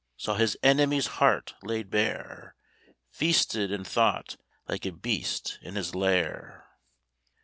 Saw his enemy's heart laid bare, Feasted in thought like a beast in his lair.